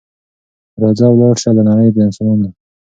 راځه ولاړ سه له نړۍ د انسانانو